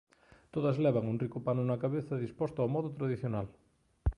Todas levan un rico pano na cabeza, disposto ao modo tradicional.